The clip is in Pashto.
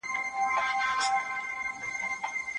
د پرېکړو پلي کول د حکومت اساسي مسووليت دی.